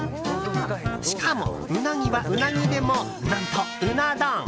しかもウナギはウナギでも何と、うな丼！